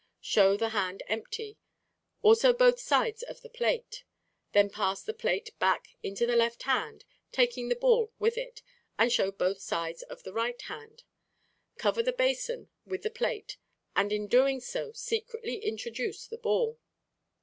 Show the hand empty, also both sides of the plate. Then pass the plate back into the left hand, taking the ball with it, and show both sides of the right hand. Cover the basin with the plate and in doing so secretly introduce the ball.